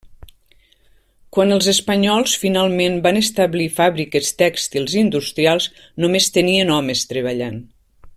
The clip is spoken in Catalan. Quan els espanyols finalment van establir fàbriques tèxtils industrials, només tenien homes treballant.